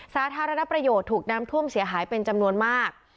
สาธารณประโยชน์ถูกน้ำท่วมเสียหายเป็นจำนวนมาก